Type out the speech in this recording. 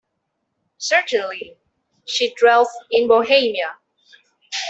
Certainly she dwelt in Bohemia.